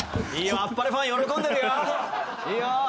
『あっぱれ』ファン喜んでるよ。